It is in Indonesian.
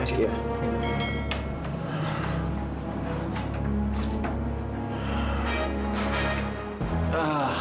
terima kasih ya